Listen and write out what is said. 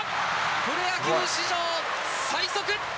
プロ野球史上最速！